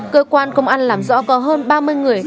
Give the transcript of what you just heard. cơ quan công an làm rõ có hơn ba mươi người